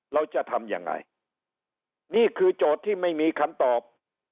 เราจะทำยังไงนี่คือโจทย์ที่ไม่มีคำตอบ